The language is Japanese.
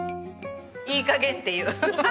いいかげんっていう。